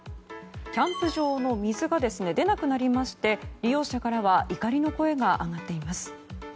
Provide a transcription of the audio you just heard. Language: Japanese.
キャンプ場の水が出なくなりまして利用者からは意外な声が上がっています。